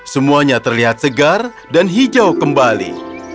semuanya terlihat segar dan hijau kembali